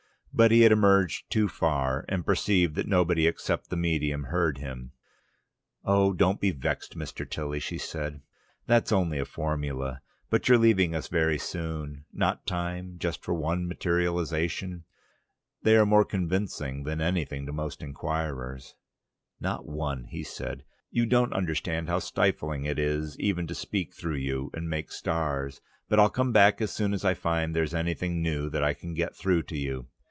But he had emerged too far, and perceived that nobody except the medium heard him. "Oh, don't be vexed, Mr. Tilly," she said. "That's only a formula. But you're leaving us very soon. Not time for just one materialisation? They are more convincing than anything to most inquirers." "Not one," said he. "You don't understand how stifling it is even to speak through you and make stars. But I'll come back as soon as I find there's anything new that I can get through to you.